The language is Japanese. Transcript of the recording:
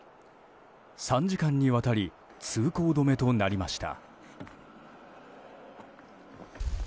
３時間にわたり通行止めとなりました。